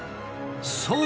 そう！